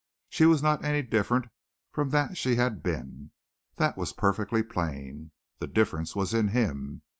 She was not any different from that she had been, that was perfectly plain. The difference was in him.